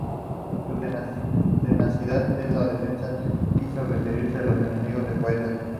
Su tenacidad en la defensa hizo retirarse a los enemigos del poeta.